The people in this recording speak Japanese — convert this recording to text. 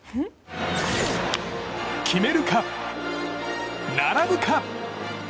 決めるか、並ぶか！